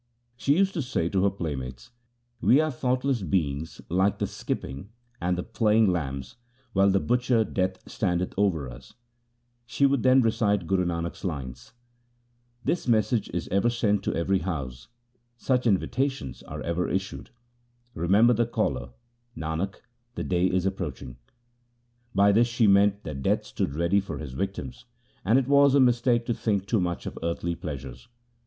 She used to say to her playmates, ' We are thoughtless beings like the skipping and playing lambs while the butcher Death standeth over us.' She would then recite Guru Nanak' s lines :— This message is ever sent to every house, such invitations are ever issued. Remember the Caller ; Nanak, the day is approaching. By this she meant that Death stood ready for his victims, and it was a mistake to think too much of earthly pleasures.